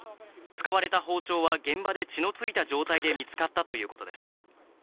使われた包丁は、現場で血のついた状態で見つかったということです。